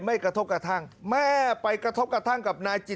กระทบกระทั่งแม่ไปกระทบกระทั่งกับนายจิต